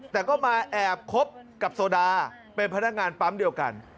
แต่ก็มาแอบคบกับโซดาเป็นพนักงานปั๊มเดียวกัน